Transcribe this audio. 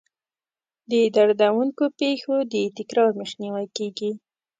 د دردونکو پېښو د تکرار مخنیوی کیږي.